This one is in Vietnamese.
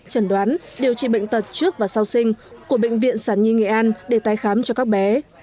trần đoán điều trị bệnh tật trước và sau sinh của bệnh viện sản nhi nghệ an để tái khám cho các bé